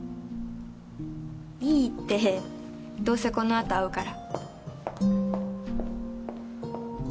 いいってどうせこのあと会うから。